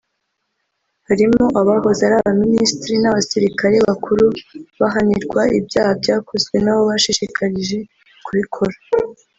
harimo abahoze ari abaminisitiri n’abasirikari bakuru bahanirwa ibyaha byakozwe n’abo bashishikarije kubikora